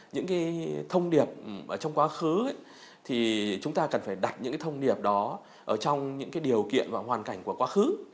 những cái thông điệp ở trong quá khứ thì chúng ta cần phải đặt những cái thông điệp đó ở trong những cái điều kiện và hoàn cảnh của quá khứ